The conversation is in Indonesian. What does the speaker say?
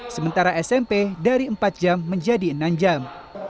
sementara smp dari empat jam menjadi enam jam